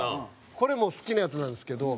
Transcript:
これも好きなやつなんですけど。